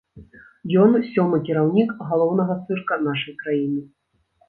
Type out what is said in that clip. Ён сёмы кіраўнік галоўнага цырка нашай краіны.